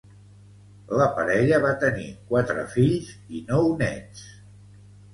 La parella va tenir quatre fills i nou nets.